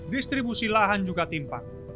distribusi lahan juga timpang